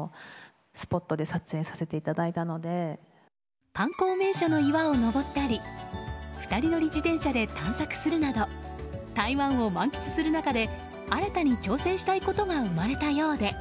台湾名所の岩を登ったり２人乗り自転車で探索するなど台湾を満喫する中で新たに挑戦したいことが生まれたようで。